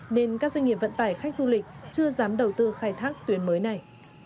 nên các doanh nghiệp vận tải khách du lịch chưa dám đầu tư khai thác tuyến mới này